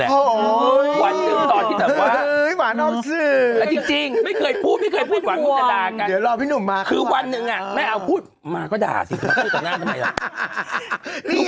เฮ้ยจริงไม่เคยพูดไม่เคยว่าคุณมาคือวันหนึ่งอ่ะมาก็ด่าสิ